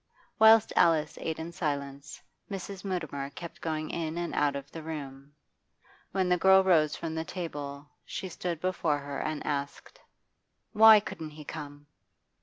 Whilst Alice ate in silence, Mrs. Mutimer kept going in and out of the room; when the girl rose from the table, she stood before her and asked: 'Why couldn't he come?